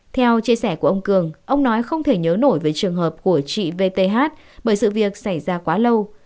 theo chia sẻ của ông cường ông nói không thể nhớ nổi về trường hợp của chị vth bởi sự việc xảy ra quá lâu